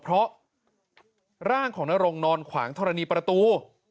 เพราะร่างของนรงนอนขวางธรณีประตู